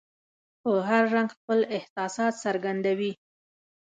په هر رنګ خپل احساسات څرګندوي.